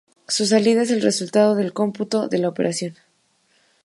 Su salida es el resultado del cómputo de la operación.